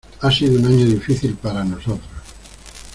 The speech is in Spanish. Ha sido un año difícil para nosotros.